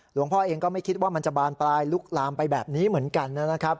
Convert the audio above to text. หลวงพ่อเองก็ไม่คิดว่ามันจะบานปลายลุกลามไปแบบนี้เหมือนกันนะครับ